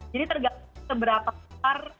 jadi tergantung seberapa besar